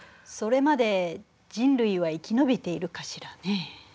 それまで人類は生き延びているかしらね？